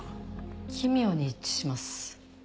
奇妙に一致します。